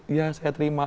ya saya terima